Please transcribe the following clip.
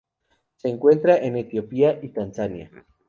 Se encuentra en Etiopía y Tanzania.